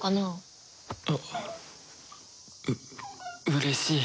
う嬉しい